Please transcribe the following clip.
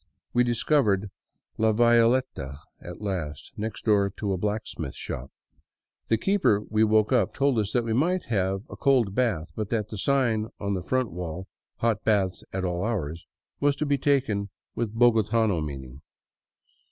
We discovered " La Violeta " at last, next door to a black smith shop. The keeper we woke up told us we might have a cold bath, but that the sign on the front wall: "Hot Baths at all Hours," was to be taken with a bogotano meaning.